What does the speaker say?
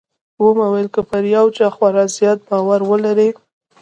ومې ويل که پر يو چا خورا زيات باور ولرې.